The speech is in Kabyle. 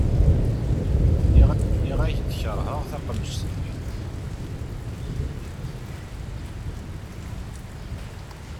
Nniɣ-ak-d kerheɣ taqemǧet-nni.